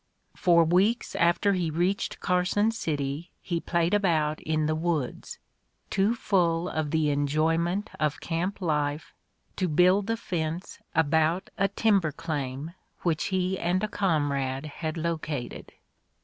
For weeks after he reached Carson City he played about in the woods, "too full of the enjoyment of camp life" to build the fence about a timber claim which he and a comrade had located.